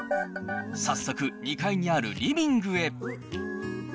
早速２階にあるリビングへ。